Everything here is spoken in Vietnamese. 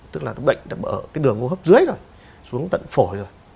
tức là cái bệnh nó bở cái đường hô hấp dưới rồi xuống tận phổi rồi